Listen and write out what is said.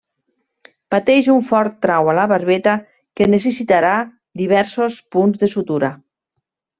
Pateix un fort trau a la barbeta que necessitarà diversos punts de sutura.